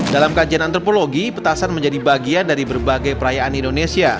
dalam kajian antropologi petasan menjadi bagian dari berbagai perayaan indonesia